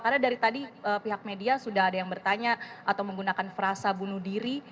karena dari tadi pihak media sudah ada yang bertanya atau menggunakan frasa bunuh diri